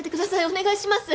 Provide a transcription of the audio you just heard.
お願いします